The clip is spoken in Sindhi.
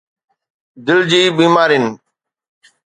دل جي بيمارين